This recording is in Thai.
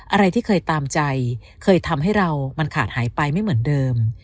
อะไรที่เคยตามใจเคยทำให้เรามันขาดหายไปไม่เหมือนเดิม